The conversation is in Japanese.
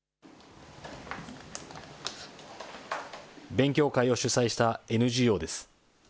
勉強会を主催したＮＧＯです。